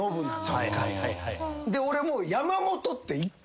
で俺も。